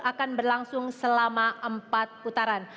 akan berlangsung selama empat putaran